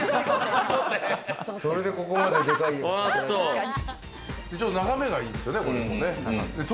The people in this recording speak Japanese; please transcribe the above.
それでここまででかい家が建眺めがいいですよね。